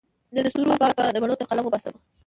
د ستورو بار به د بڼو تر قلم وباسمه